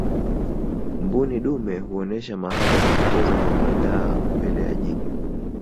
mbuni dume huonesha mahaba kwa kucheza kwa madaha mbele ya jike